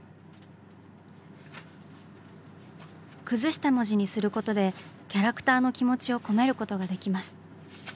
崩した文字にすることでキャラクターの気持ちを込めることができます。